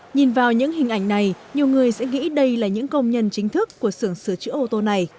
nhìn vào những hình ảnh này nhiều người sẽ nghĩ đây là những công nhân chính thức của sưởng sửa chữa ô tô này